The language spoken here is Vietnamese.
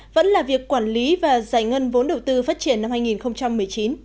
vẫn là việc quản lý và giải ngân vốn đầu tư phát triển năm hai nghìn một mươi chín